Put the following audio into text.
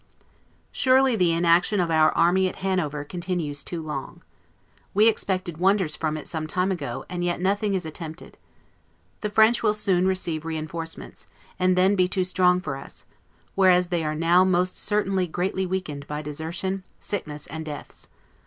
Surely the inaction of our army at Hanover continues too long. We expected wonders from it some time ago, and yet nothing is attempted. The French will soon receive reinforcements, and then be too strong for us; whereas they are now most certainly greatly weakened by desertion, sickness, and deaths.